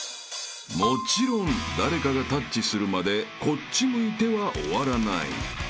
［もちろん誰かがタッチするまで「こっち向いて」は終わらない］